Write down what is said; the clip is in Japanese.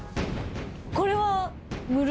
これは。